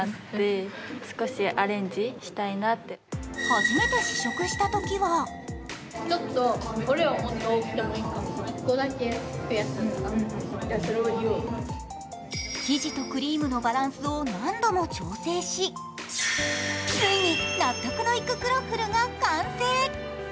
初めて試食したときは生地とクリームのバランスを何度も調整しついに納得のいくクロッフルが完成。